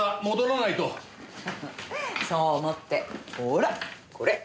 そう思ってほらこれ！